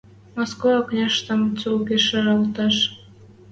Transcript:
Москва окняштем цулгыжалтеш